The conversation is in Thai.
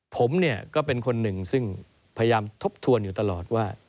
ผมเนี่ยก็เป็นคนหนึ่งซึ่งพยายามทบทวนอยู่ตลอดว่า